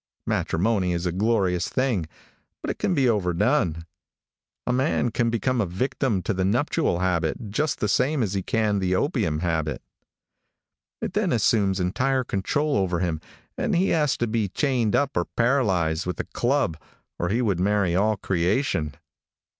Matrimony is a glorious thing, but it can be overdone. A man can become a victim to the nuptial habit just the same as he can the opium habit. It then assumes entire control over him, and he has to be chained up or paralyzed with a club, or he would marry all creation.